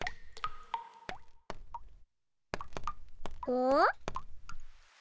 お？